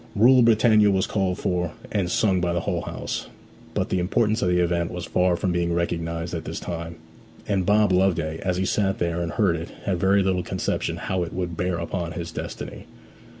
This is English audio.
'Rule Britannia' was called for and sung by the whole house. But the importance of the event was far from being recognized at this time; and Bob Loveday, as he sat there and heard it, had very little conception how it would bear upon his destiny.